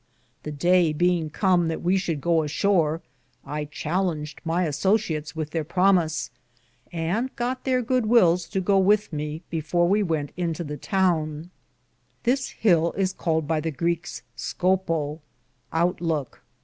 The day beinge come that we should go a shore, I chalinged my associates with there promise, and gott there good wils to go with me before we wente into the towne. This hill is called by the Greekes Scopo {i.e., outlook).